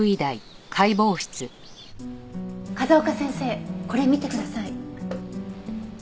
風丘先生これ見てください。